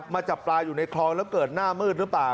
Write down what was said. จับปลาอยู่ในคลองแล้วเกิดหน้ามืดหรือเปล่า